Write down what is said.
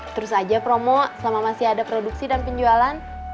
terus aja promo selama masih ada produksi dan penjualan